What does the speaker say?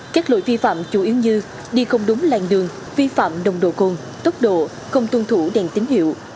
các lỗi vi phạm chủ yếu như đi không đúng làng đường vi phạm đồng đồ côn tốc độ không tuân thủ đèn tín hiệu